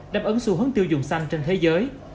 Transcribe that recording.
đáp ứng xu hướng tiêu dùng xanh trên thế giới